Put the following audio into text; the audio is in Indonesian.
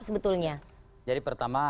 sebetulnya jadi pertama